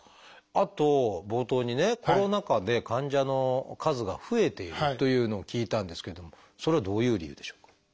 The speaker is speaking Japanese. あと冒頭にねコロナ禍で患者の数が増えているというのを聞いたんですけどもそれはどういう理由でしょうか？